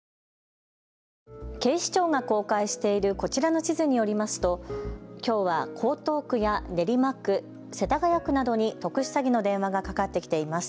警視庁が公開しているこちらの地図によりますときょうは江東区や練馬区、世田谷区などに特殊詐欺の電話がかかってきています。